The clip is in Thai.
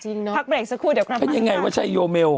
เดี๋ยวกลับมาหน่อยก่อนมันอย่างไรว่าชัยโยเมล